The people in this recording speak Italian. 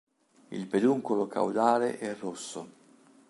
Il peduncolo caudale è rosso.